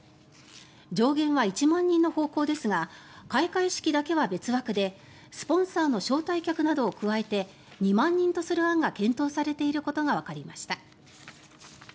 上限は１万人の方向ですが開会式だけは別枠でスポンサーの招待客などを加えて２万人とする案が検討されていることがわかりました。